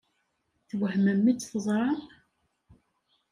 Twehmem mi tt-teẓṛam?